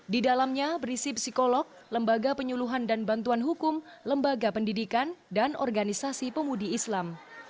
di dalamnya berisi psikolog lembaga penyuluhan dan bantuan hukum lembaga pendidikan dan organisasi pemudi islam